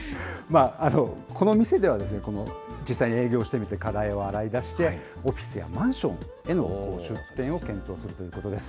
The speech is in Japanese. この店では、実際に営業してみて課題を洗い出して、オフィスやマンションへの出店を検討するということです。